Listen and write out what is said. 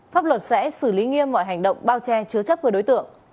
pháp luật sẽ xử lý nghiêm mọi hành động bao che chứa chấp của đối tượng